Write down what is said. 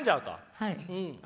はい。